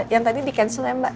yang tadi di cancel ya mbak